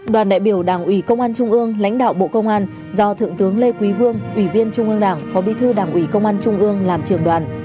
đoàn đại biểu đảng ủy công an trung ương lãnh đạo bộ công an do thượng tướng lê quý vương ủy viên trung ương đảng phó bí thư đảng ủy công an trung ương làm trưởng đoàn